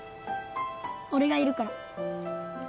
俺がいるから